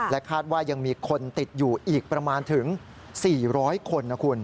คาดว่ายังมีคนติดอยู่อีกประมาณถึง๔๐๐คนนะคุณ